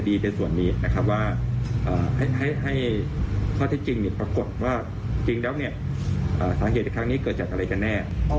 อาวุธต้องมีเกี่ยวกับโครงการเรื่องเกี่ยวกับกรรมนานหรือวิทยุนิยสินอะไรไหมคะ